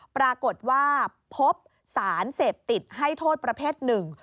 ปรากฏว่าพบสารเสพติดให้โทษประเภทหนึ่ง